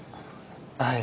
はい。